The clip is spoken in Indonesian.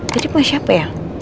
jadi punya siapa ya